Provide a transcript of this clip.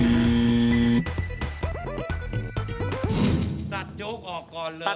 กับพอรู้ดวงชะตาของเขาแล้วนะครับ